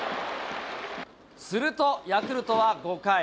するとヤクルトは５回。